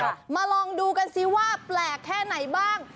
มาลองดูกันซิว่าแปลกแค่ไหนบ้าง